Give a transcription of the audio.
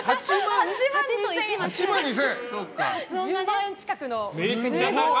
１０万円近くの。